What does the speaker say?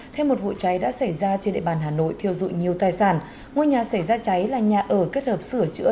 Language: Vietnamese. thêm một vụ cháy đã xảy ra trên địa bàn hà nội thiêu dụi nhiều tài sản ngôi nhà xảy ra cháy là nhà ở kết hợp sửa chữa